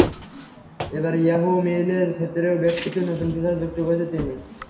এবারে ইয়াহু মেইলের ক্ষেত্রেও বেশ কিছু নতুন ফিচার যুক্ত করেছেন তিনি।